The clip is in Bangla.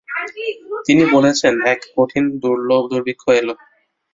তিনি বলেছেন, এক কঠিন দুর্ভিক্ষ এল।